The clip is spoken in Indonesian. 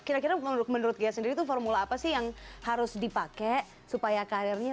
kira kira menurut ghea sendiri tuh formula apa sih yang harus dipakai supaya karirnya